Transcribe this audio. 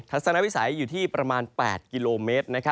สนวิสัยอยู่ที่ประมาณ๘กิโลเมตร